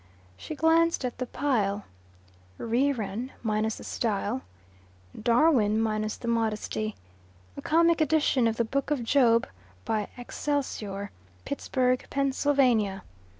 She glanced at the pile. Reran, minus the style. Darwin, minus the modesty. A comic edition of the book of Job, by "Excelsior," Pittsburgh, Pa.